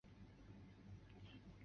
而且李遐早早夭折。